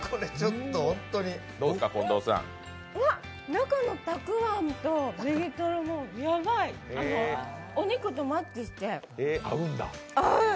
中のたくあんとネギトロもヤバいお肉とマッチして合う！